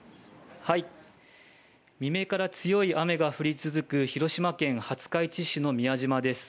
未明から強い雨が降り続く広島県廿日市市の宮島です。